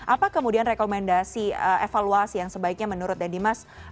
apa kemudian rekomendasi evaluasi yang sebaiknya menurut dedy mas